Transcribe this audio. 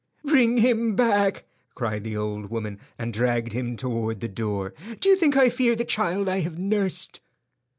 "Bring him back," cried the old woman, and dragged him toward the door. "Do you think I fear the child I have nursed?"